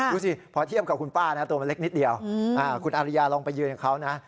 ดูสิพอเทียบกับคุณป้านะตัวมันเล็กนิดเดียวคุณอาริยาลองไปยืนกับเขานะ